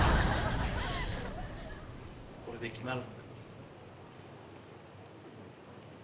これで決まる。